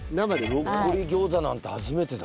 ブロッコリー餃子なんて初めてだ。